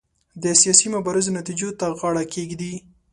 د سیاسي مبارزو نتیجو ته غاړه کېږدي.